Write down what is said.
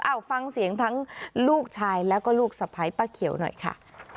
เอาฟังเสียงทั้งลูกชายแล้วก็ลูกสะพ้ายป้าเขียวหน่อยค่ะ